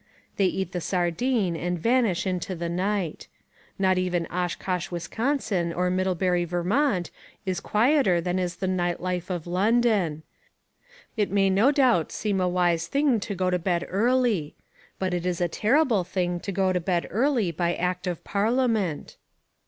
They eat the sardine and vanish into the night. Not even Oshkosh, Wisconsin, or Middlebury, Vermont, is quieter than is the night life of London. It may no doubt seem a wise thing to go to bed early. But it is a terrible thing to go to bed early by Act of Parliament.